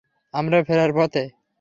আমরা ফেরার পথে।